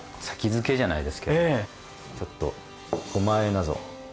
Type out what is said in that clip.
先付じゃないですけどちょっとごまあえなぞ。